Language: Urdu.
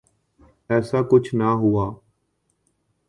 ایسا کچھ نہ ہوا۔